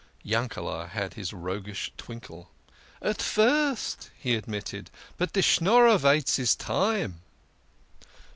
Yankele" had his roguish twinkle. " At first," he admitted, " but de Schnorrer vaits his time."